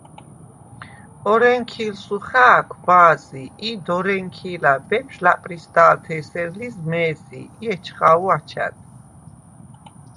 ორენქი̄ლსუ ხა̄̈ქვ ბა̄ზი ი დორენქი̄ლა̈ ბეფშვ ლა̈პრისდა̄ლთ’ ე̄სერ ლიზ მე̄ზი ი ეჩხა̄ვუ აჩა̈დ.